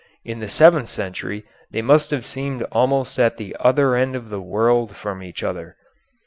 In the seventh century they must have seemed almost at the other end of the world from each other.